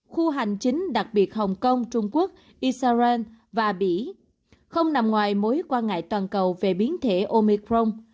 khu hành chính đặc biệt hồng kông trung quốc israel và bỉ không nằm ngoài mối quan ngại toàn cầu về biến thể omecron